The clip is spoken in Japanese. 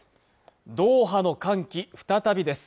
ドーハの歓喜再びです